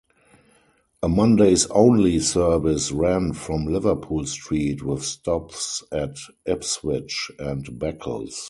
A Mondays only service ran from Liverpool Street with stops at Ipswich, and Beccles.